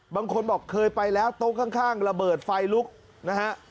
บางคนบอกเคยไปแล้วโต๊ะข้างระเบิดไฟลุกนะฮะ